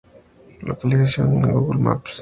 Localización en Google Maps.